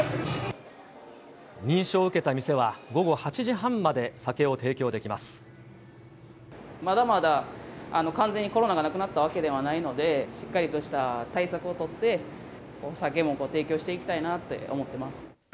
認証を受けた店は、午後８時まだまだ完全にコロナがなくなったわけではないので、しっかりとした対策を取って、お酒も提供していきたいなって思ってます。